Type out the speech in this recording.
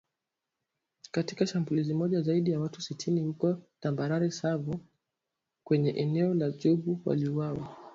Katika shambulizi moja, zaidi ya watu sitini huko tambarare Savo kwenye eneo la Djubu waliuawa